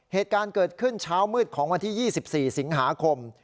เหตุการณ์เกิดขึ้นเช้ามืดของวันที่๒๔สิงหาคม